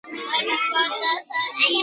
دا کتاب باید په دقت سره ولوستل شي.